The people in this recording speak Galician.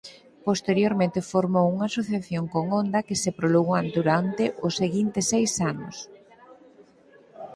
Posteriormente formou unha asociación con Honda que se prolongou durante os seguintes seis anos.